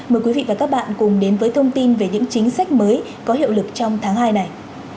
mời quý vị và các bạn cùng đến với thông tin về những chính sách mới có hiệu lực trong tháng hai này